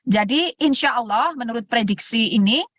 jadi insya allah menurut prediksi ini